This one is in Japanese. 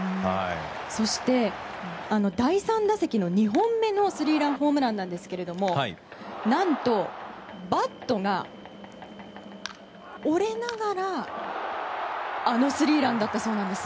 そして、第３打席の２本目のスリーランホームランですが何と、バットが折れながらあのスリーランだったそうなんです。